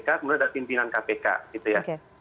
kemudian ada pimpinan kpk gitu ya